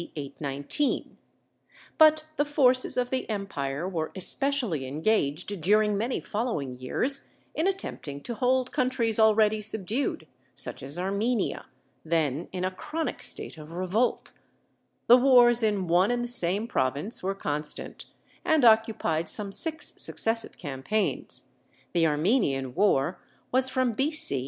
819; but the forces of the empire were especially engaged during many following years in attempting to hold countries already subdued, such as Armenia, then in a chronic state of revolt; the wars in one and the same province were constant, and occupied some six successive campaigns the Armenian war was from B.C.